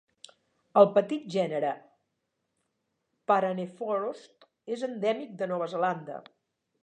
El petit gènere "paranephrops" és endèmic de Nova Zelanda.